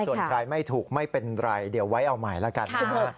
ส่วนใครไม่ถูกไม่เป็นไรเดี๋ยวไว้เอาใหม่แล้วกันนะฮะ